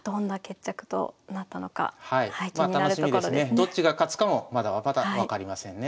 どっちが勝つかもまだまだ分かりませんね。